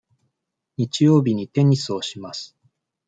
日曜日にテニスをします。